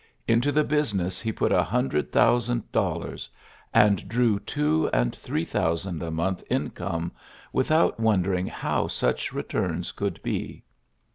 Into the business he put a hundred thou sand dollars, and drew two and three thousand a month income without won dering how such returns could be.